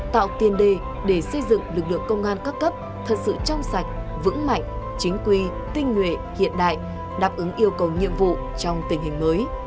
tạo tiền đề để xây dựng lực lượng công an các cấp thật sự trong sạch vững mạnh chính quy tinh nguyện hiện đại đáp ứng yêu cầu nhiệm vụ trong tình hình mới